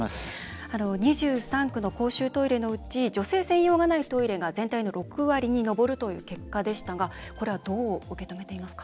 ２３区の公衆トイレのうち女性専用がないトイレが全体の６割に上るという結果でしたがこれはどう受け止めていますか？